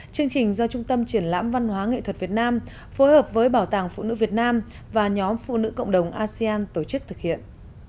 chương trình do trung tâm triển lãm văn hóa nghệ thuật việt nam phối hợp với bảo tàng phụ nữ việt nam và nhóm phụ nữ cộng đồng asean tổ chức thực hiện